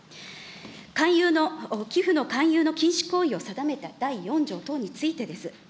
勧誘の、寄付の勧誘の禁止行為を定めた第４条等についてです。